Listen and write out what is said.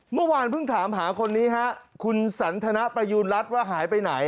เมื่อวานเพิ่งถามหาคนนี้ฮะคุณสันทนประยูณรัฐว่าหายไปไหน